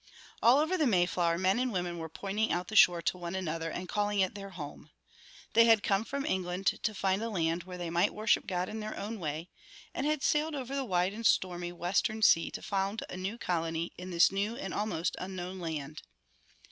All over the Mayflower men and women were pointing out the shore to one another and calling it their home. They had come from England to find a land where they might worship God in their own way, and had sailed over the wide and stormy Western sea to found a new colony in this new and almost unknown land.